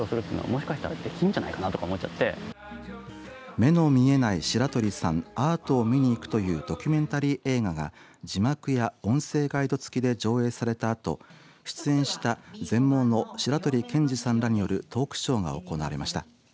目の見えない白鳥さん、アートを見にいくというドキュメンタリー映画が字幕や音声ガイド付きで上映されたあと出演した全盲の白鳥建二さんらによるトークショーが行われました。